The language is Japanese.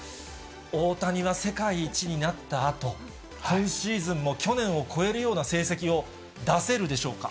大谷は世界一になったあと、去年を超えるような成績を出せるでしょうか。